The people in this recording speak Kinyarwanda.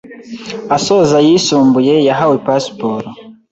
asoza ayisumbuye yahawe Pasiporo.